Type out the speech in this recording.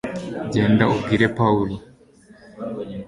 genda ubwire pawulo